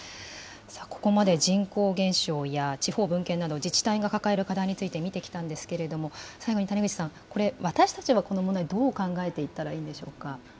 ここまで人口減少や地方分権など、自治体が抱える課題について見てきたんですけれども、最後に谷口さん、これ、私たちはこの問題、どう考えていったらいいんでしょうか。